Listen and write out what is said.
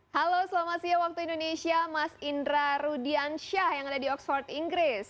halo selamat siang waktu indonesia mas indra rudiansyah yang ada di oxford inggris